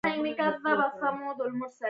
آیا کبان اروپا ته نه صادرېدل؟